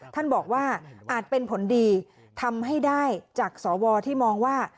ท่านบอกว่าอาจเป็นผลดีทำให้ได้จากสวที่มองว่า